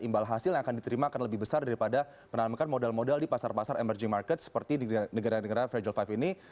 imbal hasil yang akan diterima akan lebih besar daripada menanamkan modal modal di pasar pasar emerging market seperti di negara negara fragile five ini